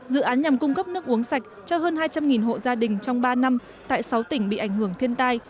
dự án nhằm cung cấp nước uống sạch cho hơn hai trăm linh hộ gia đình trong ba năm tại sáu tỉnh bị ảnh hưởng thiên tai